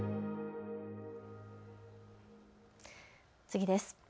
次です。